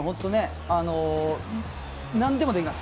なんでもできます。